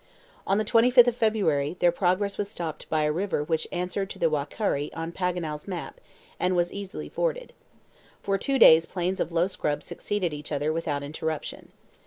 On the 25th of February, their progress was stopped by a river which answered to the Wakari on Paganel's map, and was easily forded. For two days plains of low scrub succeeded each other without interruption.